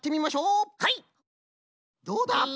どうだ？